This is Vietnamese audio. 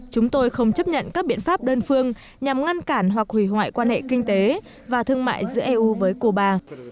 chúng tôi không chấp nhận các biện pháp đơn phương nhằm ngăn cản hoặc hủy hoại quan hệ kinh tế và thương mại giữa eu với cuba